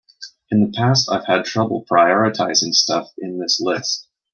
In the past I've had trouble prioritizing stuff in this list.